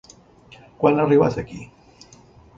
Quan ha arribat aquí?